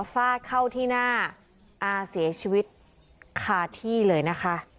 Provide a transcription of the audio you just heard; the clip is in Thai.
ฟาดเข้าที่หน้าอาเสียชีวิตคาที่เลยนะคะ